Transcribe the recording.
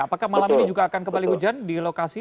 apakah malam ini juga akan kembali hujan di lokasi